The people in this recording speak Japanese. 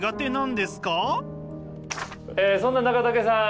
そんな中武さん